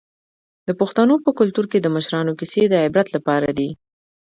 د پښتنو په کلتور کې د مشرانو کیسې د عبرت لپاره دي.